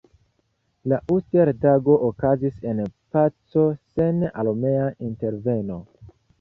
La Uster-Tago okazis en paco sen armea interveno.